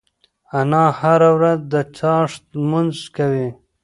انا هره ورځ د څاښت لمونځ کوي.